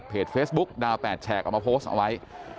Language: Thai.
เพจเฟสบุ๊คดาว๘แชร์ก็เอามาโพสต์เอาไว้